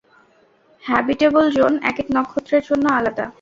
Habitable zone একেক নক্ষত্রের জন্য আলাদা।